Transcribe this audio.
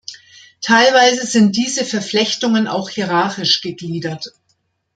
Teilweise sind diese Verflechtungen auch hierarchisch gegliedert.